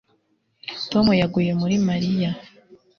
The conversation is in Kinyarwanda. Tom yaguye muri Mariya